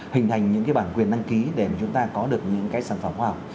hình thành những cái bản quyền đăng ký để chúng ta có được những cái sản phẩm khoa học